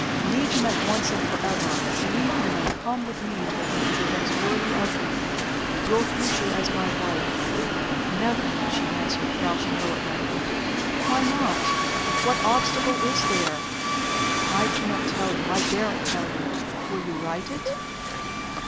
Leave him at once and forever. Leave him, and come with me to a future that is worthy of you your future as my wife." "Never!" she answered, crouching low at my feet. "Why not? What obstacle is there?" "I can't tell you I daren't tell you." "Will you write it?"